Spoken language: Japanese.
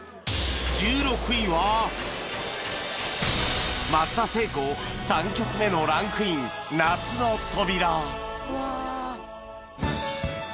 １６位は松田聖子３曲目のランクイン『夏の扉』